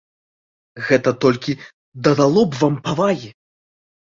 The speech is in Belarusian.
Гэта толькі дадало б вам павагі!